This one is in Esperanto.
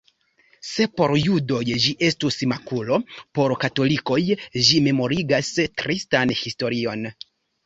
Se por judoj ĝi estus makulo, por katolikoj ĝi memorigas tristan historion.